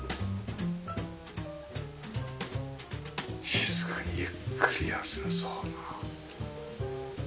静かにゆっくり休めそうな。